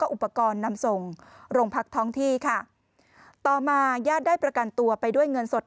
อุปกรณ์นำส่งโรงพักท้องที่ค่ะต่อมาญาติได้ประกันตัวไปด้วยเงินสด